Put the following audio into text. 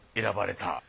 選ばれた。